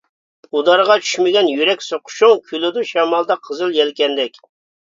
ئۇدارغا چۈشمىگەن يۈرەك سوقۇشۇڭ، كۈلىدۇ شامالدا قىزىل يەلكەندەك.